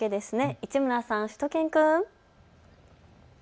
市村さん、しゅと犬くん。